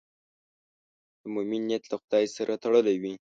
د مؤمن نیت له خدای سره تړلی وي.